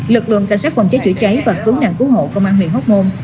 lực lượng cảnh sát phòng cháy chữa cháy và cứu nạn cứu hộ công an huyện hóc môn